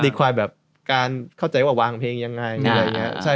ใช่แล้วก็แบบการเข้าใจว่าวางเพลงยังไงอะไรอย่างเงี้ย